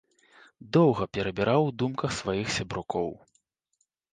Доўга перабіраў у думках сваіх сябрукоў.